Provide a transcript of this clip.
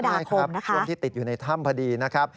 ใช่ครับคนที่ติดอยู่ในถ้ำพอดีนะครับ